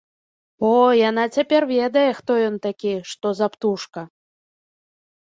О, яна цяпер ведае, хто ён такі, што за птушка!